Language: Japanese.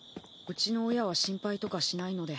うちの親は心配とかしないので。